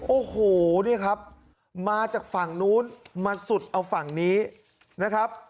โอ้โหเนี่ยครับมาจากฝั่งนู้นมาสุดเอาฝั่งนี้นะครับ